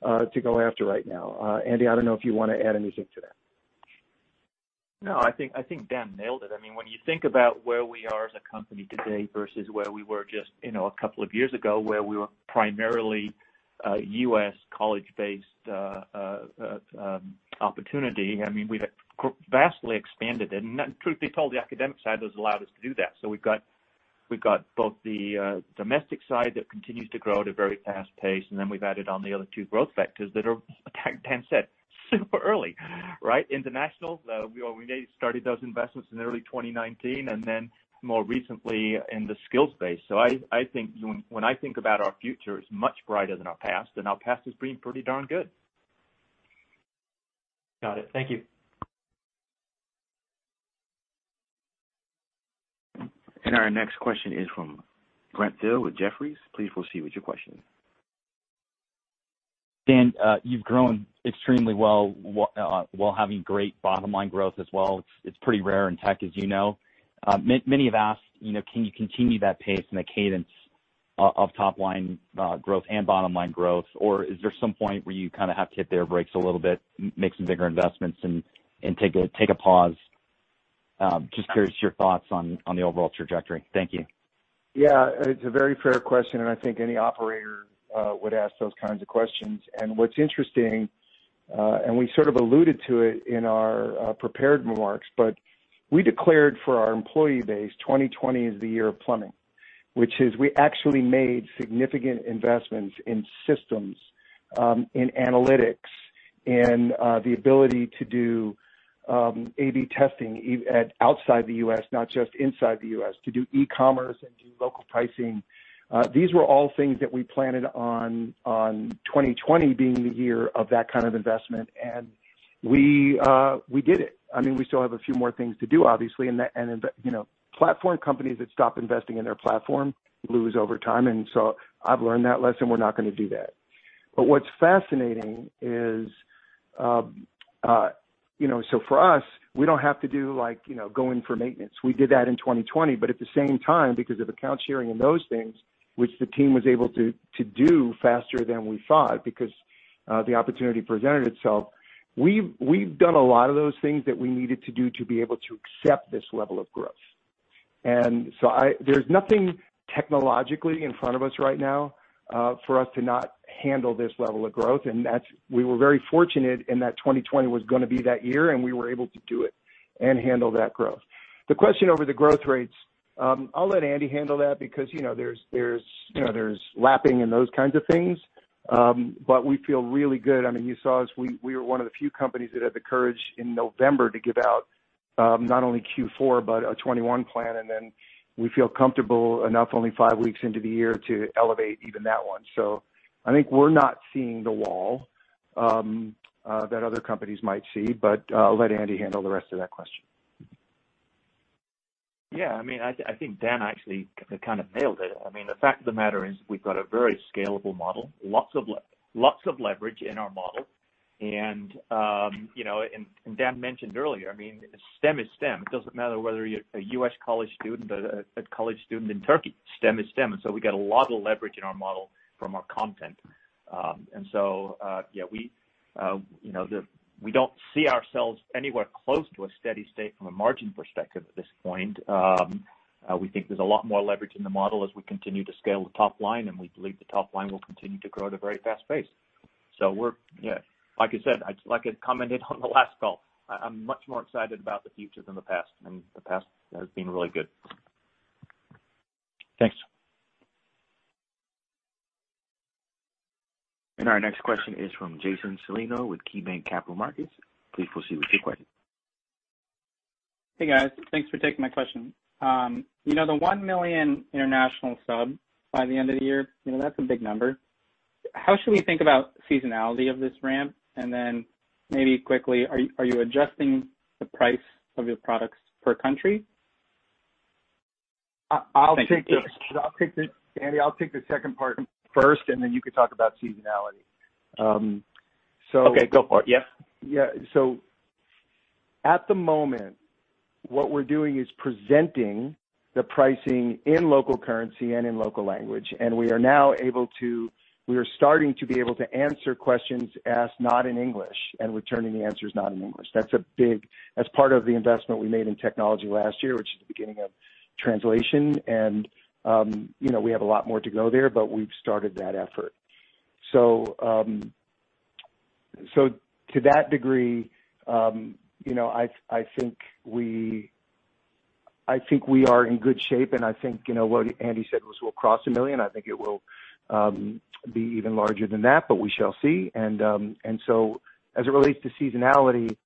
S3: to go after right now. Andy, I don't know if you want to add anything to that.
S4: No, I think Dan nailed it. When you think about where we are as a company today versus where we were just a couple of years ago, where we were primarily a U.S. college-based opportunity, we've vastly expanded it. Truth be told, the academic side has allowed us to do that. We've got both the domestic side that continues to grow at a very fast pace, and then we've added on the other two growth factors that are, like Dan said, super early. International, we only started those investments in early 2019, and then more recently in the skills space. When I think about our future, it's much brighter than our past, and our past has been pretty darn good.
S9: Got it. Thank you.
S1: Our next question is from Brent Thill with Jefferies. Please proceed with your question.
S10: Dan, you've grown extremely well while having great bottom-line growth as well. It's pretty rare in tech, as you know. Many have asked, can you continue that pace and the cadence of top-line growth and bottom-line growth? Is there some point where you have to hit the brakes a little bit, make some bigger investments, and take a pause? Just curious your thoughts on the overall trajectory. Thank you.
S3: Yeah, it's a very fair question. I think any operator would ask those kinds of questions. What's interesting, and we sort of alluded to it in our prepared remarks, but we declared for our employee base, 2020 is the year of plumbing, which is we actually made significant investments in systems, in analytics, in the ability to do A/B testing outside the U.S., not just inside the U.S., to do e-commerce and do local pricing. These were all things that we planned on 2020 being the year of that kind of investment, and we did it. We still have a few more things to do, obviously. Platform companies that stop investing in their platform lose over time. I've learned that lesson. We're not going to do that. What's fascinating is, so for us, we don't have to go in for maintenance. We did that in 2020. At the same time, because of account sharing and those things, which the team was able to do faster than we thought because the opportunity presented itself, we've done a lot of those things that we needed to do to be able to accept this level of growth. There's nothing technologically in front of us right now for us to not handle this level of growth. We were very fortunate in that 2020 was going to be that year, and we were able to do it and handle that growth. The question over the growth rates, I'll let Andy handle that because there's lapping and those kinds of things. We feel really good. You saw us, we were one of the few companies that had the courage in November to give out not only Q4 but a 2021 plan, and then we feel comfortable enough only five weeks into the year to elevate even that one. I think we're not seeing the wall that other companies might see, but I'll let Andy handle the rest of that question.
S4: Yeah, I think Dan actually kind of nailed it. The fact of the matter is we've got a very scalable model, lots of leverage in our model. Dan mentioned earlier, STEM is STEM. It doesn't matter whether you're a U.S. college student, a college student in Turkey. STEM is STEM. We get a lot of leverage in our model from our content. We don't see ourselves anywhere close to a steady state from a margin perspective at this point. We think there's a lot more leverage in the model as we continue to scale the top line, and we believe the top line will continue to grow at a very fast pace. Like I said, like I commented on the last call, I'm much more excited about the future than the past, and the past has been really good.
S10: Thanks.
S1: Our next question is from Jason Celino with KeyBanc Capital Markets. Please proceed with your question.
S11: Hey, guys. Thanks for taking my question. The 1 million international subs by the end of the year, that's a big number. How should we think about seasonality of this ramp? Maybe quickly, are you adjusting the price of your products per country?
S3: I'll take.
S11: Thank you.
S3: Andy, I'll take the second part first, and then you can talk about seasonality.
S4: Okay, go for it. Yep.
S3: Yeah. At the moment, what we're doing is presenting the pricing in local currency and in local language. We are now starting to be able to answer questions asked not in English, and returning the answers not in English. That's part of the investment we made in technology last year, which is the beginning of translation. We have a lot more to go there, but we've started that effort. To that degree, I think we are in good shape, and I think what Andy said was we'll cross 1 million. I think it will be even larger than that, we shall see. As it relates to seasonality,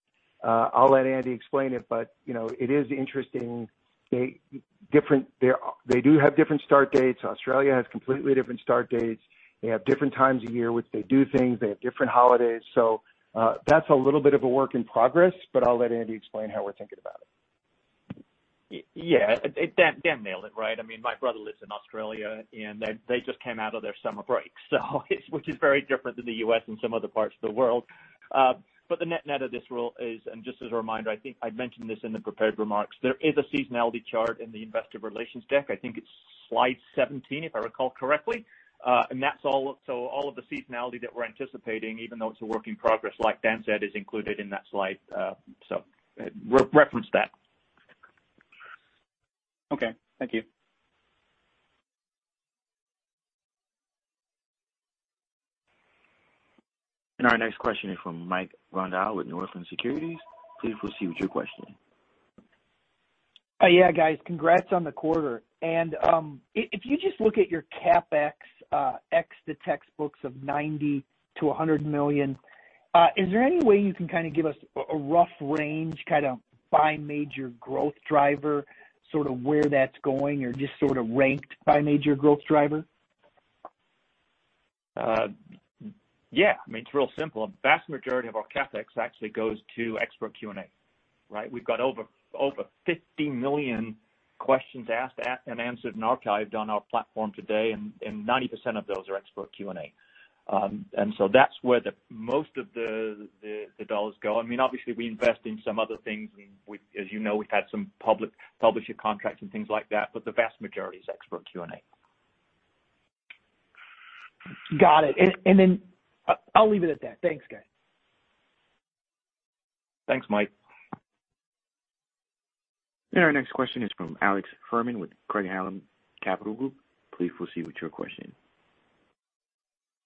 S3: I'll let Andy explain it, but it is interesting. They do have different start dates. Australia has completely different start dates. They have different times of year which they do things. They have different holidays. That's a little bit of a work in progress, but I'll let Andy explain how we're thinking about it.
S4: Yeah. Dan nailed it. My brother lives in Australia, and they just came out of their summer break. Which is very different than the U.S. and some other parts of the world. The net of this rule is, and just as a reminder, I think I mentioned this in the prepared remarks, there is a seasonality chart in the investor relations deck. I think it's slide 17, if I recall correctly. That's all of the seasonality that we're anticipating, even though it's a work in progress, like Dan said, is included in that slide. Reference that.
S11: Okay. Thank you.
S1: Our next question is from Mike Rundle with Northland Securities. Please proceed with your question.
S12: Yeah, guys. Congrats on the quarter. If you just look at your CapEx, ex the textbooks of $90 million-$100 million, is there any way you can kind of give us a rough range, kind of by major growth driver, sort of where that's going or just sort of ranked by major growth driver?
S4: Yeah. It's real simple. A vast majority of our CapEx actually goes to Expert Q&A. We've got over 50 million questions asked and answered and archived on our platform today, and 90% of those are Expert Q&A. That's where most of the dollars go. Obviously, we invest in some other things. As you know, we've had some publisher contracts and things like that, but the vast majority is Expert Q&A.
S12: Got it. I'll leave it at that. Thanks, guys.
S4: Thanks, Mike.
S1: Our next question is from Alex Fuhrman with Craig-Hallum Capital Group. Please proceed with your question.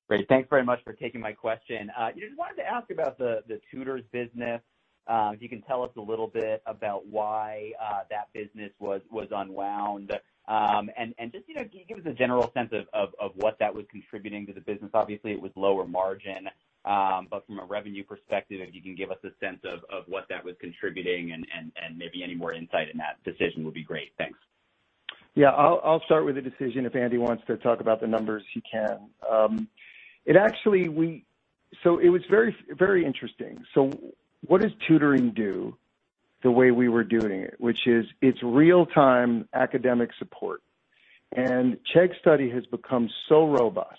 S13: Great. Thanks very much for taking my question. Just wanted to ask about the tutors business. If you can tell us a little bit about why that business was unwound. Just can you give us a general sense of what that was contributing to the business? Obviously, it was lower margin. From a revenue perspective, if you can give us a sense of what that was contributing and maybe any more insight in that decision would be great. Thanks.
S3: Yeah. I'll start with the decision. If Andy wants to talk about the numbers, he can. It was very interesting. What does tutoring do the way we were doing it, which is it's real-time academic support? Chegg Study has become so robust.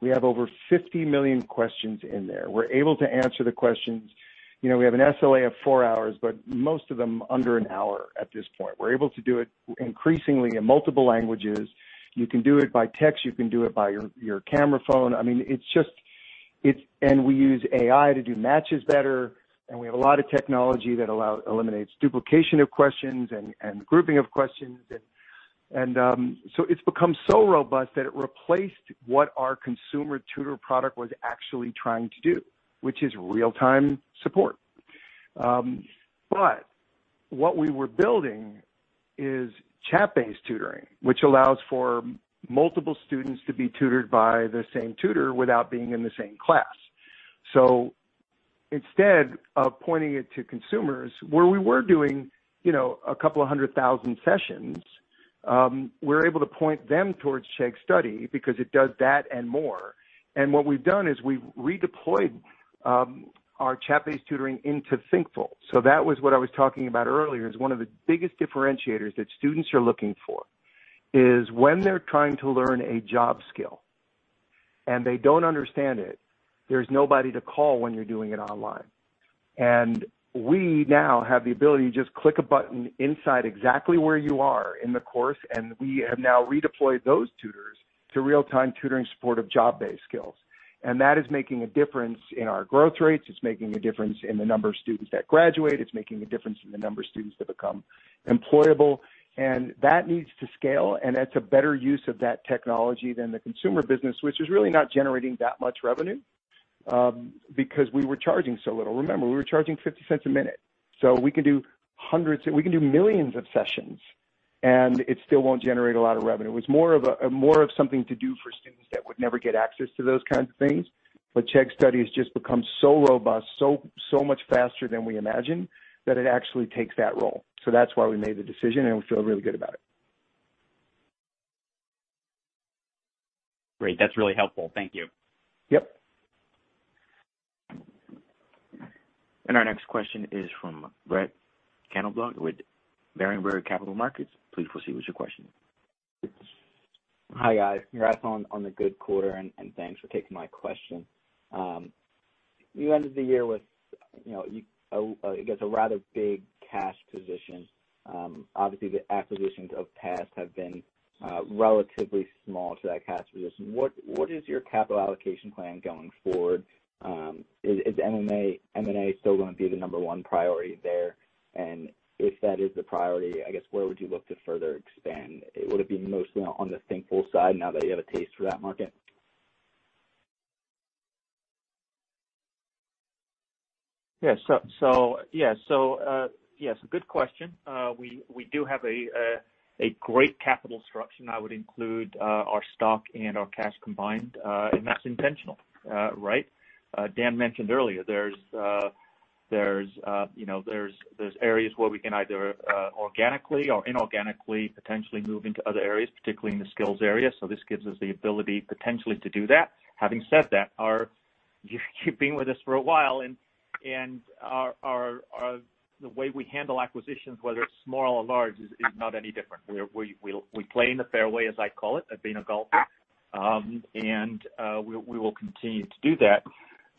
S3: We have over 50 million questions in there. We're able to answer the questions. We have an SLA of four hours, but most of them under an hour at this point. We're able to do it increasingly in multiple languages. You can do it by text. You can do it by your camera phone. We use AI to do matches better, and we have a lot of technology that eliminates duplication of questions and grouping of questions. It's become so robust that it replaced what our consumer tutor product was actually trying to do, which is real-time support. What we were building is chat-based tutoring, which allows for multiple students to be tutored by the same tutor without being in the same class. Instead of pointing it to consumers, where we were doing a couple of 100,000 sessions, we're able to point them towards Chegg Study because it does that and more. What we've done is we've redeployed our chat-based tutoring into Thinkful. That was what I was talking about earlier is one of the biggest differentiators that students are looking for is when they're trying to learn a job skill and they don't understand it, there's nobody to call when you're doing it online. We now have the ability to just click a button inside exactly where you are in the course, and we have now redeployed those tutors to real-time tutoring support of job-based skills. That is making a difference in our growth rates. It's making a difference in the number of students that graduate. It's making a difference in the number of students that become employable. That needs to scale, and that's a better use of that technology than the consumer business, which is really not generating that much revenue. We were charging so little. Remember, we were charging $0.50 a minute. We can do millions of sessions, and it still won't generate a lot of revenue. It was more of something to do for students that would never get access to those kinds of things. Chegg Study has just become so robust, so much faster than we imagined, that it actually takes that role. That's why we made the decision, and we feel really good about it.
S13: Great. That's really helpful. Thank you.
S4: Yep.
S1: Our next question is from Brett Knoblauch with Berenberg Capital Markets. Please proceed with your question.
S14: Hi, guys. Congrats on the good quarter, and thanks for taking my question. You ended the year with, I guess, a rather big cash position. Obviously, the acquisitions of past have been relatively small to that cash position. What is your capital allocation plan going forward? Is M&A still going to be the number one priority there? If that is the priority, I guess, where would you look to further expand? Would it be mostly on the Thinkful side now that you have a taste for that market?
S4: Yeah. Good question. We do have a great capital structure, and I would include our stock and our cash combined. That's intentional. Dan mentioned earlier, there's areas where we can either organically or inorganically potentially move into other areas, particularly in the skills area. This gives us the ability potentially to do that. Having said that, you've been with us for a while, and the way we handle acquisitions, whether it's small or large, is not any different. We play in the fairway, as I call it, I've been a golfer. We will continue to do that.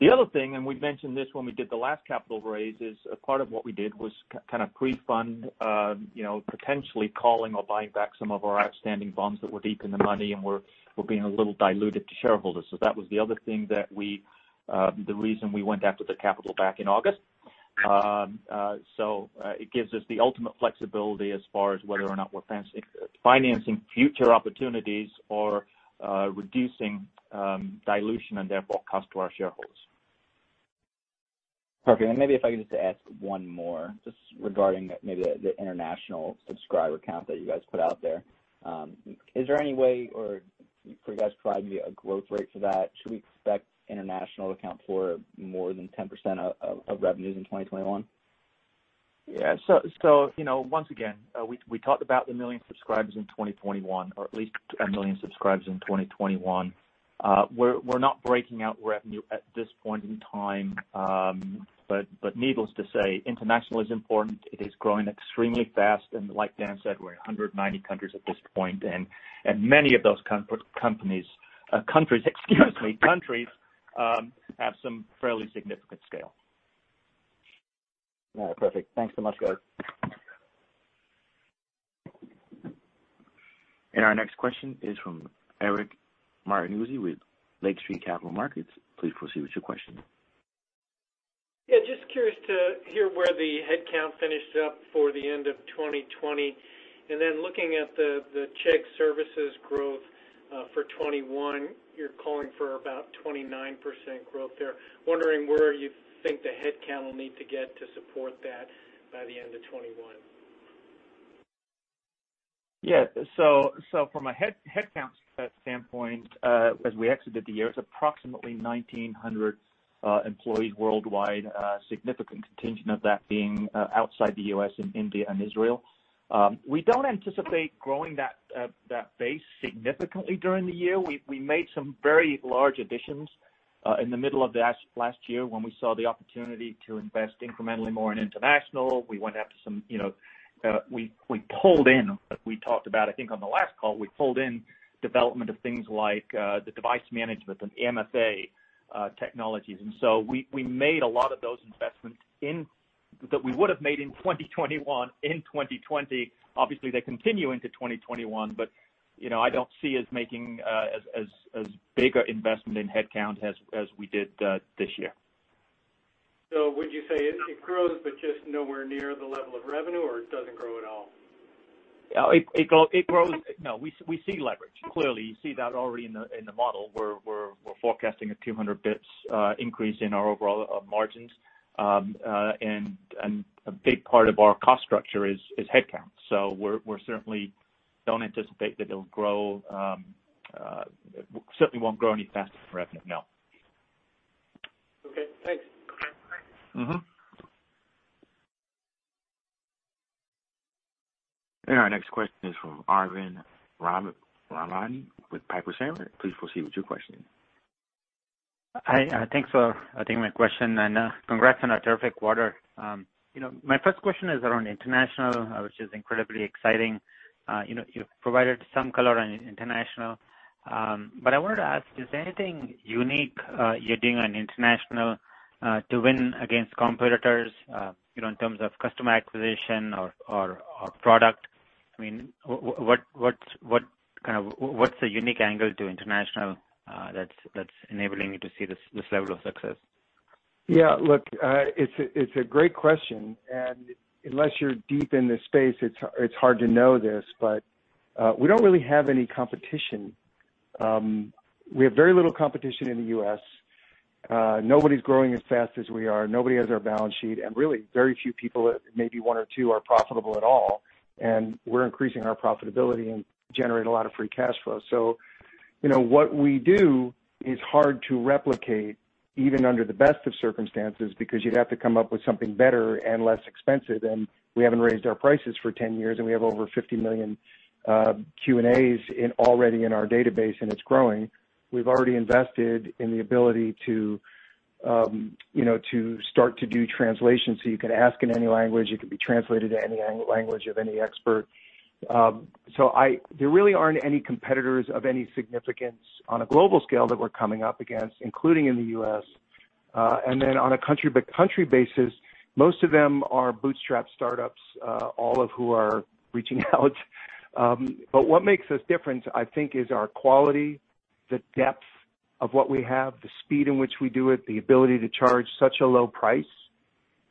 S4: The other thing, and we mentioned this when we did the last capital raise, is a part of what we did was kind of pre-fund, potentially calling or buying back some of our outstanding bonds that were deep in the money and were being a little diluted to shareholders. That was the other thing that the reason we went after the capital back in August. It gives us the ultimate flexibility as far as whether or not we're financing future opportunities or reducing dilution and therefore cost to our shareholders.
S14: Perfect. Maybe if I could just ask one more just regarding maybe the international subscriber count that you guys put out there. Is there any way or could you guys provide me a growth rate for that? Should we expect international to account for more than 10% of revenues in 2021?
S4: We talked about the million subscribers in 2021 or at least 1 million subscribers in 2021. We're not breaking out revenue at this point in time. Needless to say, international is important. It is growing extremely fast, and like Dan said, we're at 190 countries at this point, and many of those countries, excuse me, have some fairly significant scale.
S14: All right. Perfect. Thanks so much, guys.
S1: Our next question is from Eric Martinuzzi with Lake Street Capital Markets. Please proceed with your question.
S15: Yeah, just curious to hear where the headcount finished up for the end of 2020. Looking at the Chegg Services growth for 2021, you're calling for about 29% growth there. Wondering where you think the headcount will need to get to support that by the end of 2021.
S4: Yeah. From a headcount standpoint as we exited the year, it's approximately 1,900 employees worldwide, a significant contingent of that being outside the U.S. in India and Israel. We don't anticipate growing that base significantly during the year. We made some very large additions in the middle of last year when we saw the opportunity to invest incrementally more in international. We went after we pulled in, we talked about, I think, on the last call, we pulled in development of things like the device management and MFA technologies. We made a lot of those investments that we would have made in 2021, in 2020. Obviously, they continue into 2021. I don't see us making as big investment in headcount as we did this year.
S15: Would you say it grows, but just nowhere near the level of revenue, or it doesn't grow at all?
S4: It grows. No, we see leverage. Clearly, you see that already in the model. We're forecasting a 200 basis points increase in our overall margins. A big part of our cost structure is headcount. We certainly don't anticipate that it'll grow. It certainly won't grow any faster than revenue, no.
S15: Okay, thanks.
S1: Our next question is from Arvind Ramnani with Piper Sandler. Please proceed with your question.
S16: Hi, thanks for taking my question, and congrats on a terrific quarter. My first question is around international, which is incredibly exciting. You've provided some color on international. I wanted to ask, is there anything unique you're doing on international to win against competitors in terms of customer acquisition or product? I mean, what's the unique angle to international that's enabling you to see this level of success?
S3: Yeah, look, it's a great question, and unless you're deep in this space, it's hard to know this, but we don't really have any competition. We have very little competition in the U.S. Nobody's growing as fast as we are. Nobody has our balance sheet, and really very few people, maybe one or two, are profitable at all, and we're increasing our profitability and generate a lot of free cash flow. What we do is hard to replicate even under the best of circumstances, because you'd have to come up with something better and less expensive, and we haven't raised our prices for 10 years, and we have over 50 million Q&As already in our database, and it's growing. We've already invested in the ability to start to do translations, so you can ask in any language, it can be translated to any language of any expert. There really aren't any competitors of any significance on a global scale that we're coming up against, including in the U.S. Then on a country-by-country basis, most of them are bootstrap startups, all of who are reaching out. What makes us different, I think, is our quality, the depth of what we have, the speed in which we do it, the ability to charge such a low price,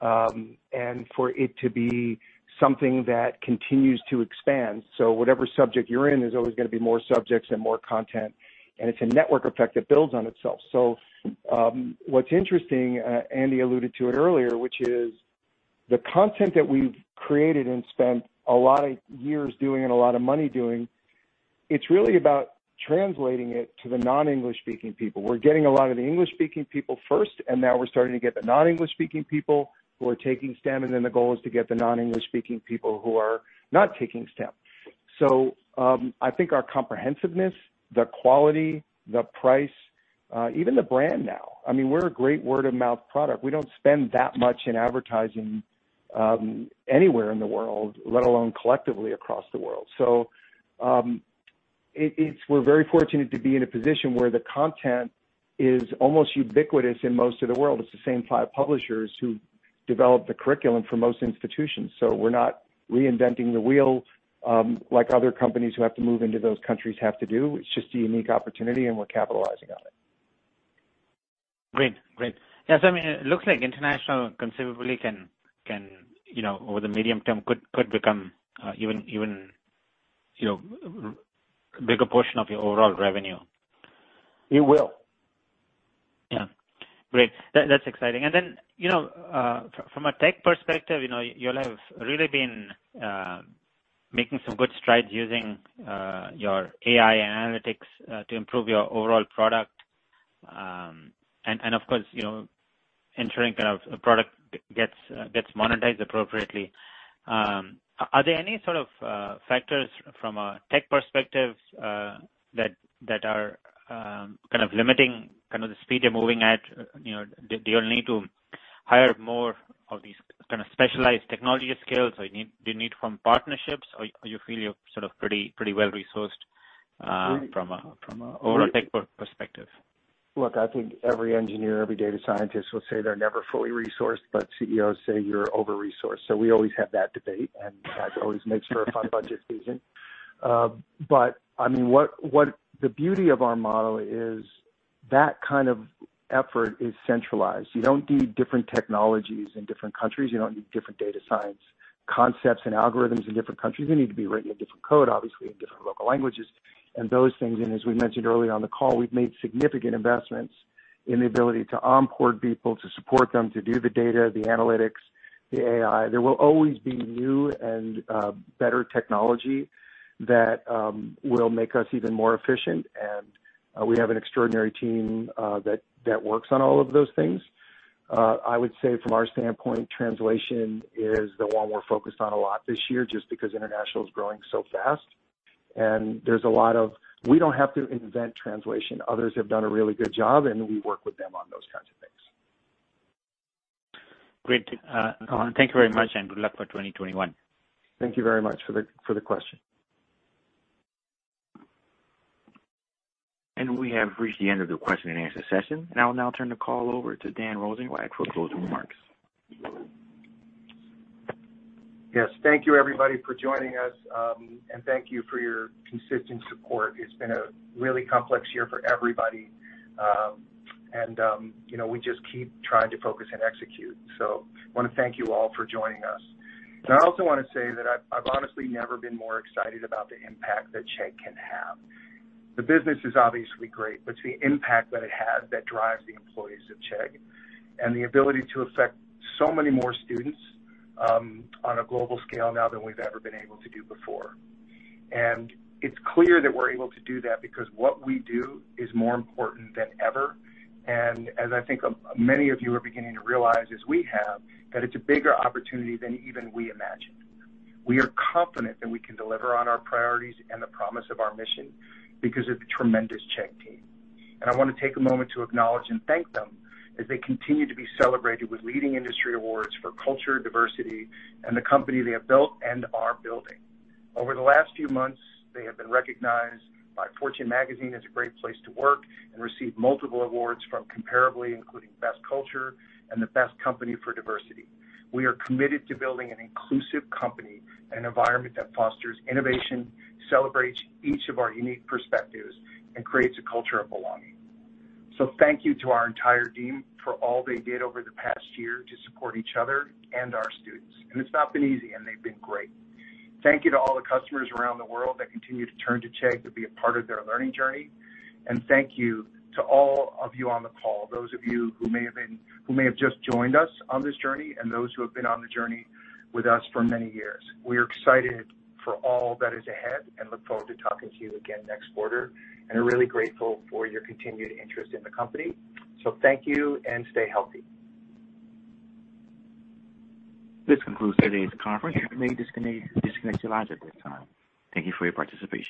S3: and for it to be something that continues to expand. Whatever subject you're in, there's always going to be more subjects and more content. It's a network effect that builds on itself. What's interesting, Andy alluded to it earlier, which is the content that we've created and spent a lot of years doing and a lot of money doing, it's really about translating it to the non-English speaking people. We're getting a lot of the English-speaking people first, now we're starting to get the non-English-speaking people who are taking STEM, then the goal is to get the non-English-speaking people who are not taking STEM. I think our comprehensiveness, the quality, the price, even the brand now. We're a great word-of-mouth product. We don't spend that much in advertising anywhere in the world, let alone collectively across the world. We're very fortunate to be in a position where the content is almost ubiquitous in most of the world. It's the same five publishers who develop the curriculum for most institutions. We're not reinventing the wheel like other companies who have to move into those countries have to do. It's just a unique opportunity, we're capitalizing on it.
S16: Great. Yeah. It looks like international conceivably can, over the medium term, could become even a bigger portion of your overall revenue.
S3: It will.
S16: Yeah. Great. That's exciting. From a tech perspective, you'll have really been making some good strides using your AI analytics to improve your overall product. Of course, ensuring a product gets monetized appropriately. Are there any sort of factors from a tech perspective that are kind of limiting the speed you're moving at? Do you need to hire more of these kind of specialized technology skills, or do you need from partnerships? You feel you're sort of pretty well-resourced from an overall tech perspective?
S3: I think every engineer, every data scientist will say they're never fully resourced, but CEOs say you're over-resourced. We always have that debate, and that always makes for a fun budget season. The beauty of our model is that kind of effort is centralized. You don't need different technologies in different countries. You don't need different data science concepts and algorithms in different countries. They need to be written in different code, obviously, in different local languages and those things. As we mentioned early on the call, we've made significant investments in the ability to onboard people, to support them, to do the data, the analytics, the AI. There will always be new and better technology that will make us even more efficient, and we have an extraordinary team that works on all of those things. I would say from our standpoint, translation is the one we're focused on a lot this year just because international is growing so fast. We don't have to invent translation. Others have done a really good job, and we work with them on those kinds of things.
S16: Great. Thank you very much and good luck for 2021.
S3: Thank you very much for the question.
S1: We have reached the end of the question and answer session. I will now turn the call over to Dan Rosensweig for closing remarks.
S3: Yes. Thank you everybody for joining us, and thank you for your consistent support. It's been a really complex year for everybody. We just keep trying to focus and execute. I want to thank you all for joining us. I also want to say that I've honestly never been more excited about the impact that Chegg can have. The business is obviously great, but it's the impact that it has that drives the employees of Chegg and the ability to affect so many more students on a global scale now than we've ever been able to do before. It's clear that we're able to do that because what we do is more important than ever. As I think many of you are beginning to realize, as we have, that it's a bigger opportunity than even we imagined. We are confident that we can deliver on our priorities and the promise of our mission because of the tremendous Chegg team. I want to take a moment to acknowledge and thank them as they continue to be celebrated with leading industry awards for culture, diversity, and the company they have built and are building. Over the last few months, they have been recognized by Fortune Magazine as a great place to work and received multiple awards from Comparably, including Best Culture and the Best Company for Diversity. We are committed to building an inclusive company and environment that fosters innovation, celebrates each of our unique perspectives, and creates a culture of belonging. Thank you to our entire team for all they did over the past year to support each other and our students. It's not been easy, and they've been great. Thank you to all the customers around the world that continue to turn to Chegg to be a part of their learning journey. Thank you to all of you on the call, those of you who may have just joined us on this journey and those who have been on the journey with us for many years. We are excited for all that is ahead and look forward to talking to you again next quarter, and are really grateful for your continued interest in the company. Thank you, and stay healthy.
S1: This concludes today's conference. You may disconnect your lines at this time. Thank you for your participation